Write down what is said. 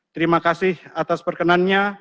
terima kasih atas perkenannya